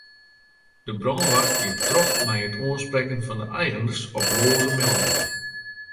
De brânwacht giet troch mei it oansprekken fan de eigeners op loaze meldingen.